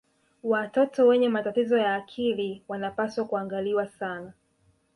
watoto wenye matatizo ya akili wanapaswa kuangaliwa sana